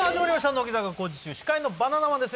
乃木坂工事中司会のバナナマンです